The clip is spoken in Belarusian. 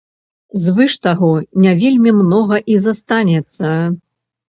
Звыш таго не вельмі многа і застанецца.